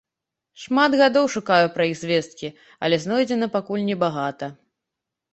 Шмат гадоў шукаю пра іх звесткі, але знойдзена пакуль небагата.